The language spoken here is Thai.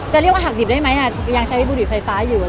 จะเรียกว่าหักดีบยังใช้บุรีไฟฟ้าอยู่